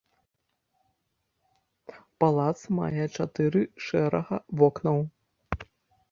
Палац мае чатыры шэрага вокнаў.